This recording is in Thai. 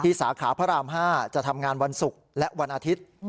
สาขาพระราม๕จะทำงานวันศุกร์และวันอาทิตย์